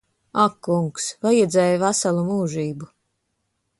Ak kungs. Vajadzēja veselu mūžību.